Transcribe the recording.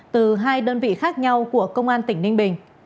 từ hai đơn vị khác nhau của công an tỉnh ninh bình